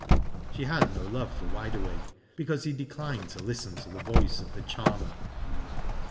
She had no love for Wide AWake, because he declined to listen to the voice of the charmer.